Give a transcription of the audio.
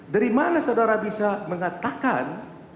dari mana saudara bisa mengatakan